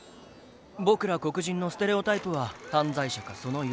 僕ら黒人のステレオタイプは犯罪者かその予備軍。